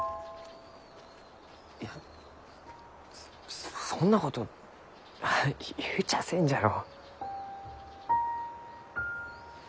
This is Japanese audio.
いやそそんなこと言うちゃあせんじゃろ。